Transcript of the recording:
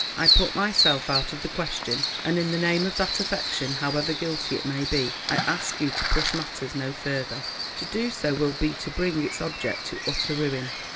I put myself out of the question, and in the name of that affection, however guilty it may be, I ask you to push matters no further. To do so will be to bring its object to utter ruin.